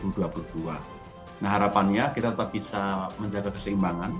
nah harapannya kita tetap bisa menjaga keseimbangan